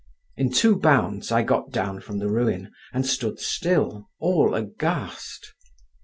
In two bounds I got down from the ruin, and stood still, all aghast.